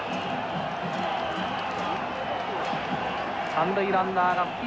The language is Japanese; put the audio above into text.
三塁ランナーが吹石。